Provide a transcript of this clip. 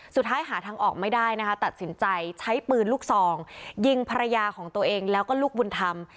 หาทางออกไม่ได้นะคะตัดสินใจใช้ปืนลูกซองยิงภรรยาของตัวเองแล้วก็ลูกบุญธรรม